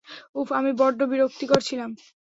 উফ, আমি বড্ড বিরক্তিকর ছিলাম।